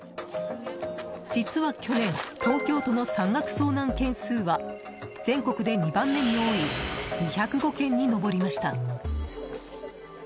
実は去年東京都の山岳遭難件数は全国で２番目に多い２０５件に上りました。